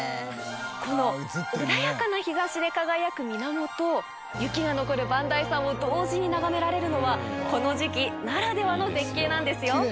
この穏やかな日差しで輝く水面と雪が残る磐梯山を同時に眺められるのはこの時期ならではの絶景なんですよ。